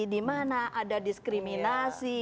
di mana ada diskriminasi